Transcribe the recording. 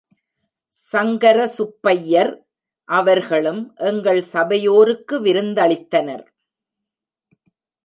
சங்கர சுப்பய்யர் அவர்களும் எங்கள் சபையோருக்கு விருந்தளித்தனர்.